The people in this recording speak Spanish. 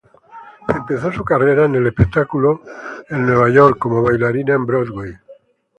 Empezó su carrera en el espectáculo en Nueva York como bailarina en Broadway.